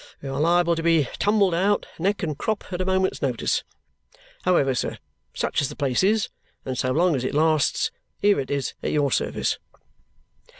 We are liable to be tumbled out neck and crop at a moment's notice. However, sir, such as the place is, and so long as it lasts, here it is at your service."